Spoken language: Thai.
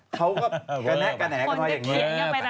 เขากระแหนะกระแหนกระแหนกนั่นแบบนั้นแหละ